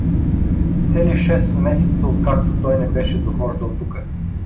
Цели шест месеца, откакто той не беше дохождал тука.